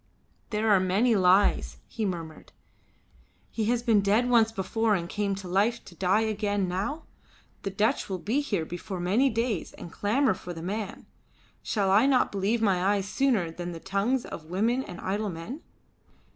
"There are many lies," he murmured. "He has been dead once before, and came to life to die again now. The Dutch will be here before many days and clamour for the man. Shall I not believe my eyes sooner than the tongues of women and idle men?"